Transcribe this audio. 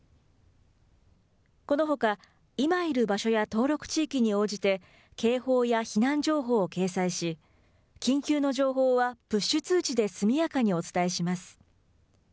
このほか、今いる場所や登録地域に応じて警報や避難情報を掲載し、緊急の情報は、プッシュ通知で速やかにお伝えします。